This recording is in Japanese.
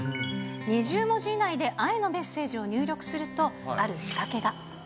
２０文字以内で愛のメッセージを入力すると、ある仕掛けが。